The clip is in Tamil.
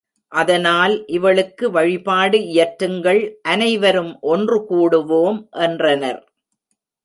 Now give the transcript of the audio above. அதனால் இவளுக்கு வழிபாடு இயற்றுங்கள் அனைவரும் ஒன்று கூடுவோம் என்றனர்.